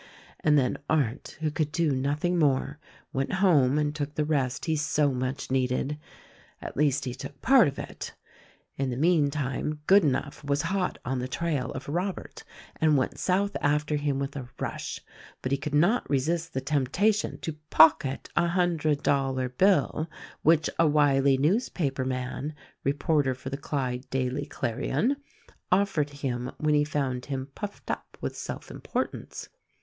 And then Arndt — who could do nothing more — went home and took the rest he so much needed. At least, he took part of it. In the meantime, Goodenough was hot on the trail of Robert and went south after him with a rush; but he could not resist the temptation to pocket a hundred dollar bill which a wily newspaper man — reporter for the Clyde Daily Clarion — offered him when he found him puffed up with self importance.